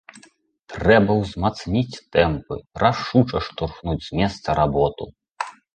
Трэба ўзмацніць тэмпы, рашуча штурхнуць з месца работу.